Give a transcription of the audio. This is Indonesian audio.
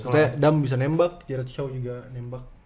karena dham bisa nembak jared shaw juga nembak